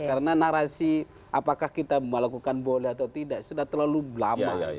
karena narasi apakah kita melakukan boleh atau tidak sudah terlalu lama